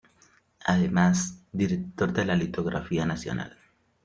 Además, director de la Litografía Nacional.